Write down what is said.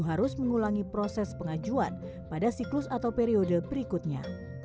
harus mengulangi proses pengajuan pada siklus atau periode berikutnya